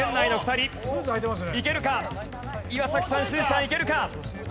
岩崎さんしずちゃんいけるか？